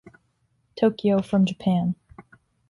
Tokyo from Japan.